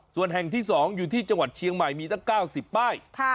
ส่วนแห่งที่๒อยู่ที่จังหวัดเชียงใหม่มีตั้ง๙๐ป้าย